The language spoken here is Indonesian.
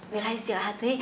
bella istirahat nek